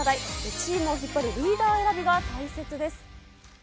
チームを引っ張るリーダー選びが大切です。